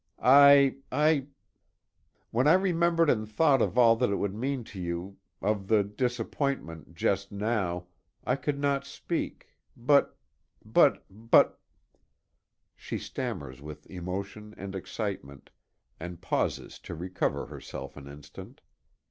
I I when I remembered and thought of all that it would mean to you of the disappointment, just now, I could not speak, but but but " She stammers with emotion and excitement, and pauses to recover herself an instant.